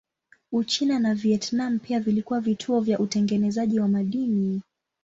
Uchina na Vietnam pia vilikuwa vituo vya utengenezaji wa madini.